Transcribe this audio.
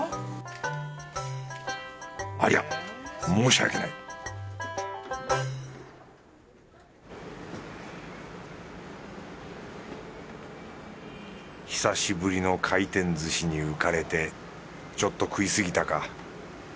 ありゃ申し訳ない久しぶりの回転寿司に浮かれてちょっと食い過ぎたか。